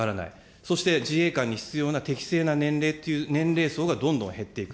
そして自衛官に必要な適性な年齢層がどんどん減っていく。